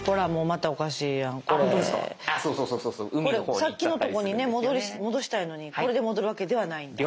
これさっきのとこに戻したいのにこれで戻るわけではないんだ。